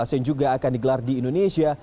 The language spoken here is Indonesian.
yang juga akan digelar di indonesia